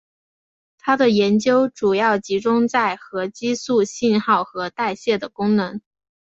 他的研究主要集中在核激素信号和代谢的功能。